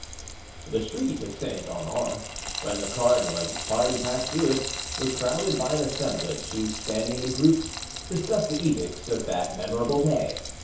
The street of Saint Honore, when the cardinal and his party passed through it, was crowded by an assemblage who, standing in groups, discussed the edicts of that memorable day.